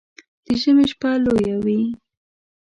د ژمي شپه لويه وي